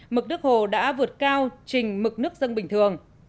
mực nước hồ đã vượt cao trình mực nước dân bình thường